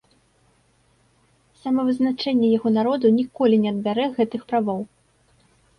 Самавызначэнне яго народу ніколі не адбярэ гэтых правоў!